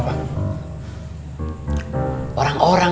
apa itu masalahnya